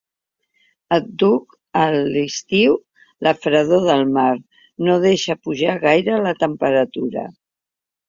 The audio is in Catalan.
Àdhuc a l'estiu la fredor del mar no deixa pujar gaire la temperatura.